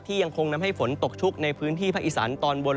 ยังคงนำให้ฝนตกชุกในพื้นที่ภาคอีสานตอนบน